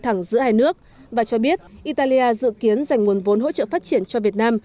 thẳng giữa hai nước và cho biết italia dự kiến dành nguồn vốn hỗ trợ phát triển cho việt nam